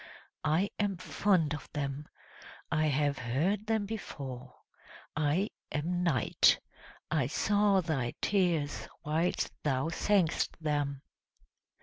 I am fond of them. I have heard them before; I am Night; I saw thy tears whilst thou sang'st them!"